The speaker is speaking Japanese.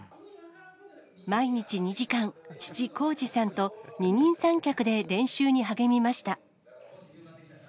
毎日２時間、父、浩二さんと二人三脚で練習に励みました。